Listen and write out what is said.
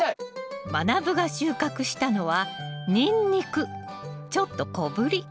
まなぶが収穫したのはちょっと小ぶり。